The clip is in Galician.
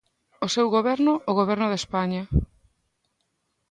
O seu goberno, o Goberno de España.